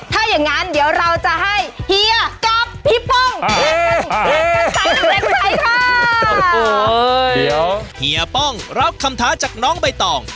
ถ้าอย่างงั้นเดี๋ยวเราจะให้เฮียกับพี่ป้องเฮียป้องรับคำท้าจากน้องใบต่อง